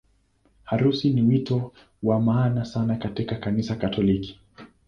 Harusi ni wito wa maana sana katika Kanisa Katoliki.